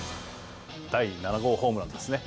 第７号ホームランですね。